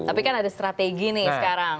tapi kan ada strategi nih sekarang